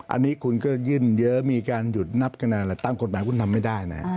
อันนี้คุณก็ยื่นเยอะมีการหยุดนับคะแนนอะไรตั้งกฎหมายคุณทำไม่ได้นะ